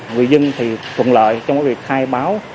người dân thì thuận lợi trong việc khai báo